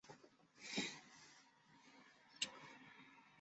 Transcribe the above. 担任川剧演员。